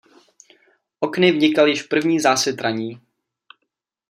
Okny vnikal již první zásvit ranní.